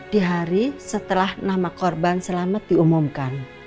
di hari setelah nama korban selamat diumumkan